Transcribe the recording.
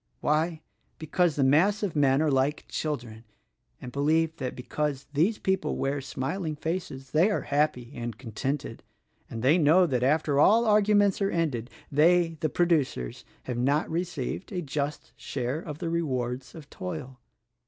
Why, because the mass of men are like children and believe that because these people wear smiling faces they are happy and contented; and they know that after all arguments are ended, they, the producers, have not received a just share of the rewards of toil.